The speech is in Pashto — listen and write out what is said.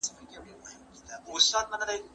نقيب جانه ياره بس کړه ورله ورشه